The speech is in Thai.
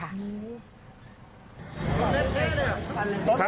ป้าแป้วป้าทำหน่อยค่ะ